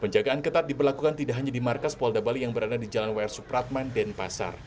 penjagaan aparat diberlakukan tidak hanya di markas polda bali yang berada di jalan wayar supratman dan pasar